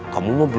kamu mau berbicara